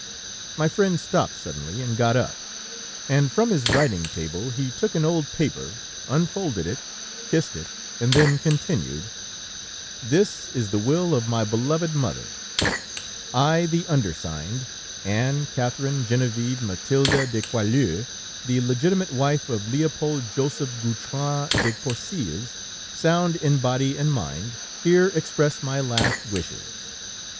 My friend stopped suddenly and got up, and from his writing table he took an old paper, unfolded it, kissed it, and then continued: "This is the will of my beloved mother: "'I, the undersigned, Anne Catherine Genevieve Mathilde de Croixlure, the legitimate wife of Leopold Joseph Goutran de Courcils, sound in body and mind, here express my last wishes.